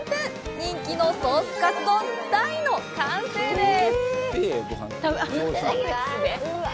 人気のソースカツ丼の完成です！